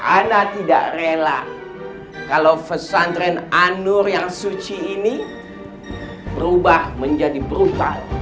ana tidak rela kalau pesantren anur yang suci ini berubah menjadi brutal